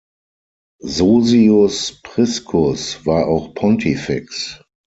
Sosius Priscus war auch Pontifex.